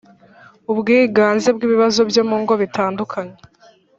Ubwiganze bw ibibazo byo mu ngo bitandukanye